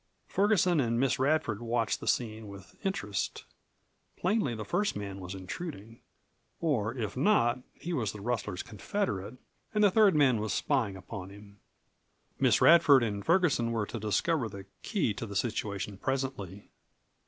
Ferguson and Miss Radford watched the scene with interest. Plainly the first man was intruding. Or if not, he was the rustler's confederate and the third man was spying upon him. Miss Radford and Ferguson were to discover the key to the situation presently.